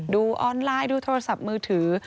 ดูออนไลน์ดูโทรศัพท์มือถือ